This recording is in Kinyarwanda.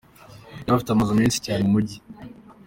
Yari afite amazu menshi cyane mu mujyi.